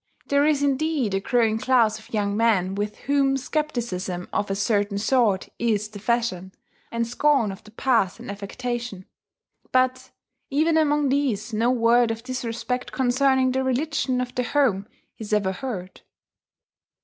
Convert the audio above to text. There is indeed a growing class of young men with whom scepticism of a certain sort is the fashion, and scorn of the past an affectation, but even among these no word of disrespect concerning the religion of the home is ever heard.